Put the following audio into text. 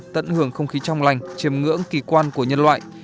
tận hưởng không khí trong lành chiếm ngưỡng kỳ quan của nhân loại